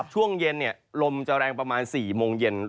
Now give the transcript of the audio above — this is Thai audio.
ช่วงเย็นลมจะแรงประมาณ๔โมงเย็น